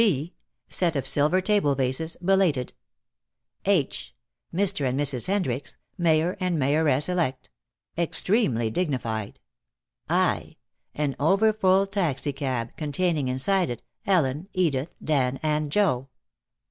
(g) Set of silver table vases, belated. (h) Mr. and Mrs. Hendricks, Mayor and Mayoress elect. Extremely dignified. (i) An overfull taxicab, containing inside it Ellen, Edith, Dan and Joe.